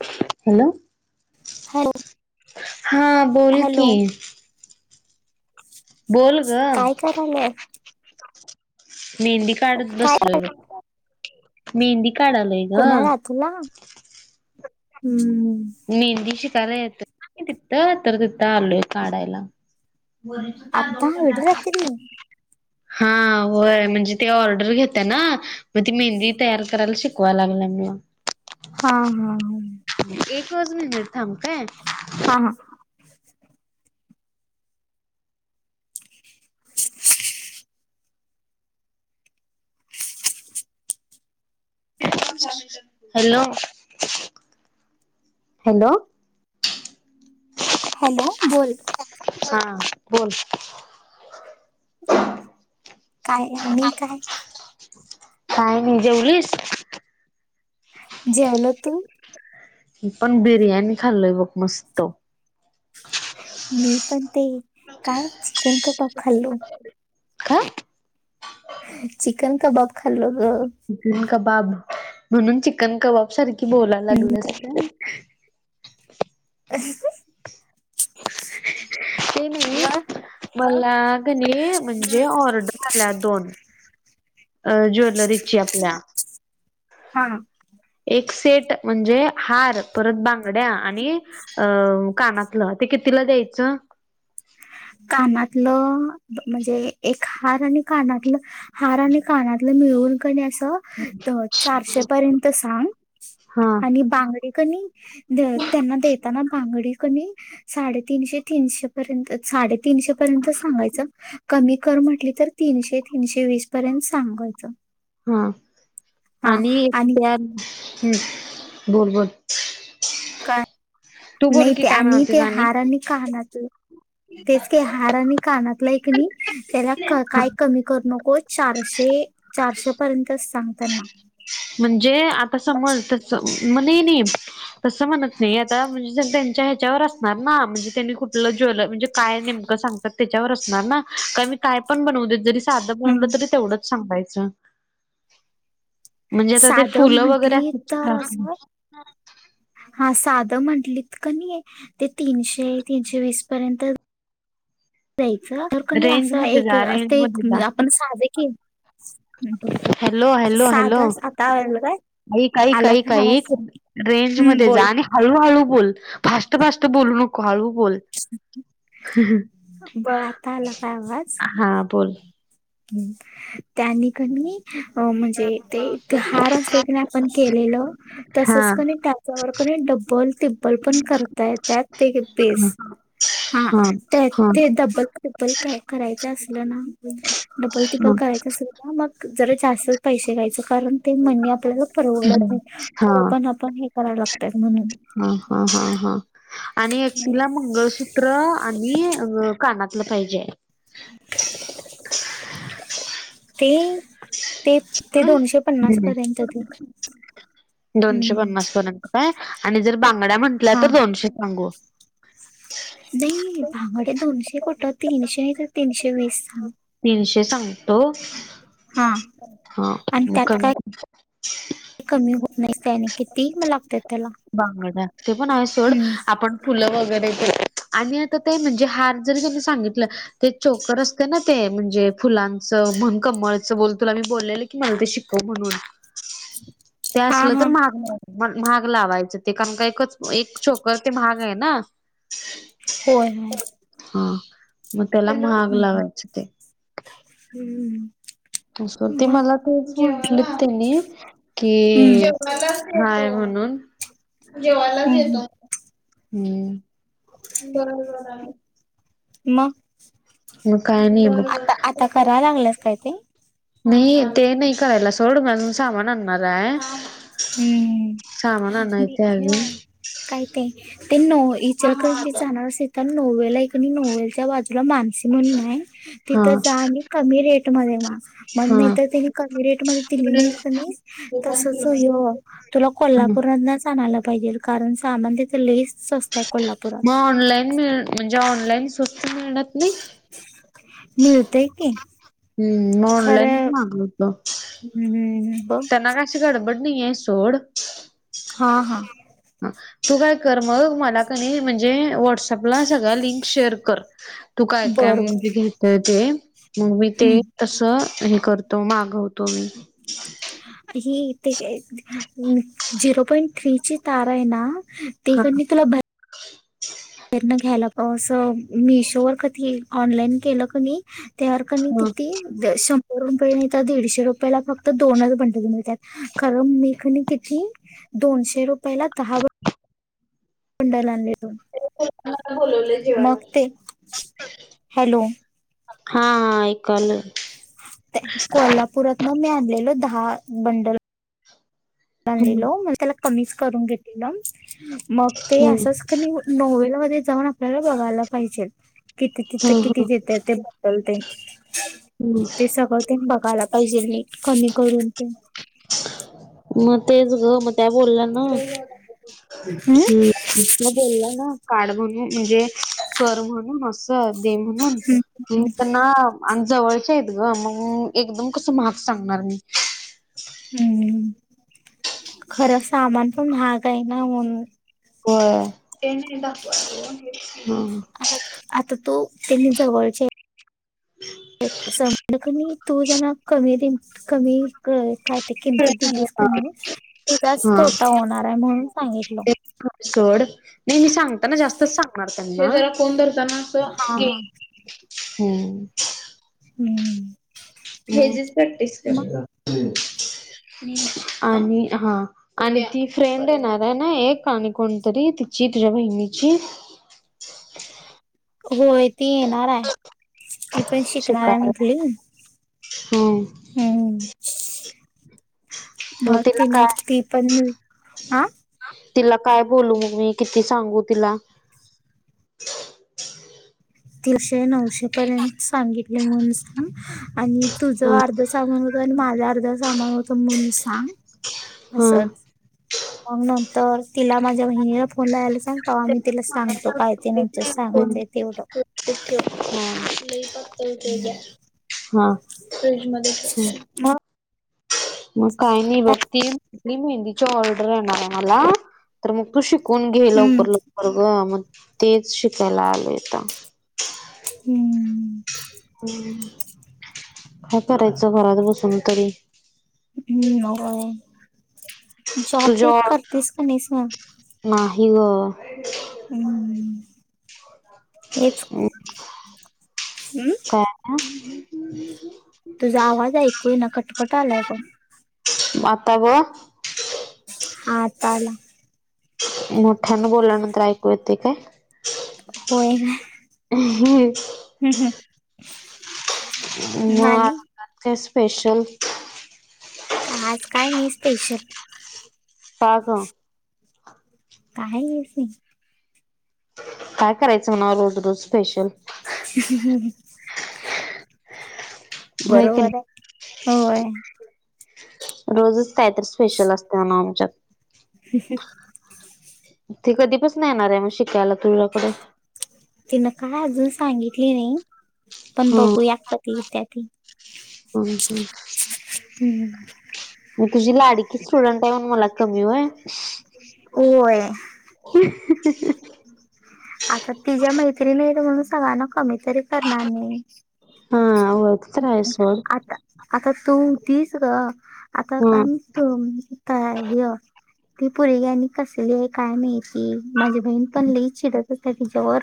Hello. Hello. हा बोल की. हॅलो बोल गं. काय करायलाय मेहंदी काढत काय बसलोय बघ, मेहंदी काढालोय. ग कोणाला? तुला हम्म. मेहंदी शिकायला येतोय ना तिथं, तर तिथं आलूय काढायला. आता एवढी रात्री हां. होय म्हणजे ते ऑर्डर घेत्या ना मग, ती मेहंदी तयार करायला शिकवाय लागल्या मला. हा हा हा. पाच मिनिटं थांब काय. हा हा. Hello hello. हॅलो बोल. हा बोल. चांगल आणि काय. काय नाही जेवलीस. जेवलो तू. मी पण बिर्याणी खाल्लोय बघ मस्त. मी पण ते काय, चिकन कबाब खाल्लो. काय? चिकन कबाब खाल्लो ग. चिकन कबाब म्हणून चिकन कबाब सारखी बोलायला हम्म, लागलस का? अ [unintelligible] ह [unintelligible] ते मग कनी मला की नाही म्हणजे ऑर्डर आल्यात दोन. अ ज्वेलरीची आपल्या. हा एक सेट म्हणजे हार परत बांगड्या आणि अ कानातलं ते कितीला द्यायचं? कानातलं म्हणजे एक हार आणि कानातलं हार आणि कानातलं मिळून की नाई असं चारशे पर्यंत सांग हा आणि बांगडे की नाई ध त्यांना देताना बांगडी कमी साडेतीनशे तीनशे पर्यंत सा तीनशे पर्यंत सांगायच कमी कर म्हटली तर तीनशे-तीनशे वीस पर्यंत सांगायचं. हा [unintelligible] आणि त्या हा बोल बोल. काय [unintelligible] [unintelligible] नाही ते काय आणि ते म्हणालतीस हारा आणि कानातल तेच कि हार आणि कानातला एकक नाही त्याला हा काय कमी करू नको. चारशे-चारशे पर्यंतच सांग त्यांना. म्हणजे आता समज त म्हणे नाही नाही तसं म्हणत नाही आता म्हणजे त्यांच्या ह्याच्यावर असणार ना म्हणजे त्यांनी कुठलं ज्ल म्हणजे काय नेमकं सांगतात त्याच्यावर असणार ना कारण मी काय पण बनव देत जरी साधं हम्म. बनवलं तेवढंच संपायचं. आता ते साधम फुलं वगैरे म्हंटली तर असतात असं हा साधं म्हंटलीत का नाही ते तीनशे तीनशे वीसपर्यंत दयाचं तर कणी रेंज असं मध्ये एक जा अस रेंज मध्ये जा आपण साधे की हॅलो हॅलो हॅलो साधाच आता आल काय ऐक ऐक आला ऐक काय ऐक आवाज हम्म रेंजमध्ये जा बोल आणि [unintelligible] हळू हळू बोल फास्ट फास्ट बोलू नको हळू बोल. बघ आता आला काय आवाज? हा बोल. ह् त्यानी का नई अ म्हणजे ते हार असते क आपण केलेलं हा तसच क त्याच्यावर कोणी डब्बल तिब्बल पण करताय त्यात. ते हा पेस हा त्या ते डबल ट्रिपबल क करायचं असलं ना डबल तिपल करायच सुद्धा मग जरा जास्त पैसे घ्यायचं कारण ते मणी आपल्याला परवडत नाही खरं हा पण आपण हे करायला लागतत म्हणून. हा हा हा हा आणि एकटिला मंगळसूत्र त्र आणि अ कानातलं पाहिजे आहे. ते ते ते दोनशे हम पन्नास हम पर्यंत ते दोनशे हम्म पन्नास पर्यंत. काय आणि जर बांगड्या म्हंटल्या हा तर दोनशे सांगू नाही बांगड्या दोनशे कुठं तीनशे तीनशे वीस सांग. तीनशे सांगतो. हां. हा [unintelligible] कमी होत नाही, त्याने किती मला लागत त्याला. बांगड्या ते पण आहे सोड, हम्म आपण. फुलं वगैरे सांगितलं आणि आता ते हार जरी त्यांनी सांगितलं ते चोकर असते ना. ते म्हणजे फुलांचं म्हण, कमळचं बोल. तुला मी बोललेलं की मला ते शिकव म्हणून. ते हा असलं हा तर महाग मं मग महाग लावायचं ते, कारण का एकच एक छोकर ते महाग आहे ना. होय. हा मग त्याला महाग हम्म लावायचं ते. हम्म. असं मग मला तूच म्हटलेत त्यांनी हम्म की. मला हाय म्हणून जेवालाच हम्म हम्म येतो. बरोबर आहे. मग? मग काय नाही बग. आता आता करालागलंस काय ते. नाही ते नाही करायला सोड, आजून सामान आणणार आहे... सामान हम्म आणायचंय अजून [unintelligible] काय ते ते न ईचलकरंजीत जाणार असे त नववे्लाय पण नोवेलच्या बाजूला मानसी म्हणून हा तिथं जा आणि कमी रेटमध्ये माग. मग नाही हा. तर त्यानी कमी रेटमध्ये दिली नाहीत कणी तसच. तो हो तुला कोल्हापूरमधनंच आणायला पाहिजे, कारण सामान तिथं लयच स्वस्त. का कोल्हापूरत. मग ऑनलाईन, मिळ म्हणजे ऑनलाईन स्वस्त मिळत नाही? मिलते की. हम्म मग ऑनलाईन खरं मागवतो. हम्म. बघ त्यांना काय काशी गडबड नाहीय सोड. हा हा. ह तू काय कर, मग मला कनी म्हणजे व्हॉट्सअपला सगळ्या लिंक शेअर कर. [inaudible] तू काय काय बर म्हणजे बर घेतय ते, मग मी ते हम्म. तसं हे करत तो मागवतो मी. [unintelligible] झिरो पॉइंट थ्रीची तारा आहे ना. ते हा कणी तुला. [unintelligible] घ्यायला मिशोवर कधी ऑनलाईन केलं कणी. त्यावर कमी हा. किती श शंभर रुपये नाही तर दीडशे रुपयाला फक्त दोनच मंडळ मिळतात खरं मी कणी किती दोनशे रुपये दहा. बंडल आणलेलं. आणि कोणाकोणाला बोलवले जेवायला? हॅलो हा ऐकू आलं. कोल्हापुरात मी आणलेलो दहा बंडल. हम्म म्हणलेलं मग ते कमीच करून करून घेतलं मग ते हम्म असच. नॉवलमध्ये जाऊन आपल्याला बघायला पाहिजे. किती तिथं हम्म किती देते बंडल टेन हम्म. ते सगळं बघायलाग. पाहिजे नीट कमी करून ते. मग तेच ग मग त्या बोलल्या ना हम्म. की. मग त्या बोलला ना काड म्हणून म्हणजे सर म्हणून मस्त. दे म्हणून हम्म त्यांना. आणि जवळच्या आहेत ग, मग एकदम कसं मार्क्स सांगणार मी. हम्म खरं पण महाग ना म्हणून. हो ते दाखवा ह. अर आता तो त्यांनी जवळच्या हेत. समखणी तू जना कमी र कमी काय त किमती दिलीच, त म तुझाच तोटा होणार आहे म्हणून सांगितलं. कड नाही मी सांगताना जास्तच सांगणार को धताना. सोवा हा गे हा हम्म. हम्म हे जच प्रॅक्टीस मग करून, आणि कर हा आणि ती फ्रेंड येणार आहे ना, एक तिची तुझ्या बहिणीची. होय ती येणार आहे, ती पण शिकणार आहे शिकायला म्हटली. हम्म. हम्म मग मात तिला ना काय दीपण ह तिला काय बोलू मग मी किती सांगू तिला? तीनशे नऊशे पर्यंत सांगितले म्ह सांग आणि तुझ ह अर सामान होत आणि माझा अर्धा सामान होतं म्हण म सांग असच. मग नंतर तिला माझ्या बहिणीला फोन लायला सांगता आम्ही तिला सांगतो काय ते नंतर सांगाय तेती उठ तिथेच ठेव. हा फ्र्रीज मध्ये मग मग काय नाही बघतीली मेहंदीची ऑर्डर येणार आहे मला.. तर मग तू शिकून घे ल हम्म उकर ल वग मग तेच शिकायला आलयेत. हम्म. हम्म, काय करायचं घरात बसून तरी? जॉब तुझ्या बीब ऑर्डर करतेस की नाहीस मग? नाही ग. हम्म हेच हम्म. [unintelligible] तुझा आवाज ऐकू येईना कटकट आलाय बघ आता बघ हा आता आला. मोठ्यान बोलल्यानंतर ऐकू येते काय? होयग मग हम् हम्. मग आ काय स्पेशल? का आज काय नाही स्पेशल. का ग? [unintelligible] काय करायचं म्हणा रोज रोज स्पेशल ह ह होय की बरोबर नाही आहे होय. रोजच कायतरी स्पेशल असत, मा आमच्यात. ही, ह ती कधी पसन येणार हाय, म शिकायला तुझ्याकडे? तिनं काय अजून, सांगितली नाही पण हम्म बघूया कधी येत्या ती? हम्म हम्म. हंम मी तुझी लाडकी स्टुडंट हाय म्हणून मला कमी होय? होय [unintelligible] आता तिझ्या मैत्रीणी आहेत म्हणून सगळ्यांना कमी तरी करणार नाही. हा होय, ते तर आहे सोड. आता तू होतीस गं, आता हा कण तूम ता हय, ती पुरी आणि कसली आहे काय माहीत? ही माझी बहीण पण, लय चिडत होत्या तिच्यावर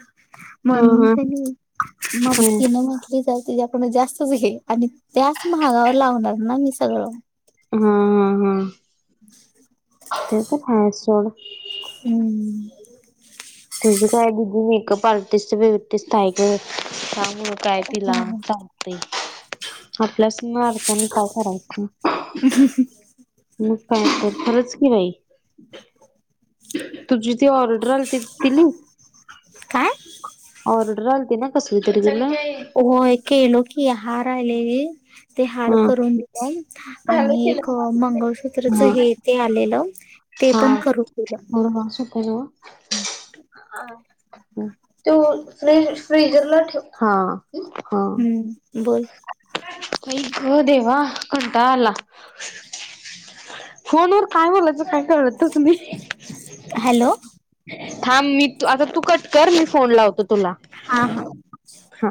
हा म्हणून हा क नाही, माफ हा केलं म्हणती काय तिच्यापुढं जास्तच विषय अनिक त्याच महागाव लावणार ना? मी सगळं हंम, हंम, हं [inaudible] ते तर काय, सोड हम्म तिची काय दीदी, मेकअप आर्टिस्ट बिवटिस्ट हाय गं, त्यामुळं काय तिला? ते आपल्याच मारकांनी काय करायचं? मग काय तर, खरंच कि बाई, तुझी ती ऑर्डर आलती ती लीव काय? ऑर्डर आलती ना कसली तरी तुला? व्हय केलोय की, हार आलेली ते हार हा करून दिली झालं आणि केलं एक मंगळसूत्रच हा हे ते आलेलं ते पण करून दिलं. [unintelligible] हॅलो तू लय फ्रीजरला ठेव, हा हा हम्म, बोल आई गं देवा, कंटाळा आला फोनवर, काय बोलायचं काय कळतच नाही? हॅलो थांब मी तू, आता तू कट कर, मी फोन लावतो तुला हा, हा हा